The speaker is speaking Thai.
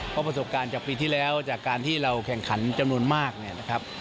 เพราะประสบการณ์จากปีที่แล้วจากการที่เราแข่งขันจำนวนมากเนี่ยนะครับ